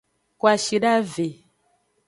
Kwashidave.